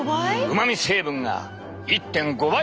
うまみ成分が１．５倍アップ！